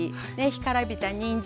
干からびたにんじん